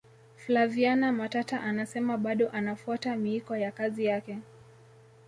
flaviana matata anasema bado anafuata miiko ya kazi yake